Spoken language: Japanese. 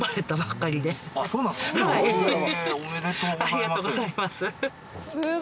ありがとうございます。